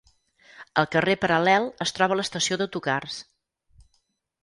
Al carrer paral·lel es troba l'estació d'autocars.